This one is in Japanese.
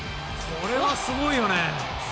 これはすごいよね！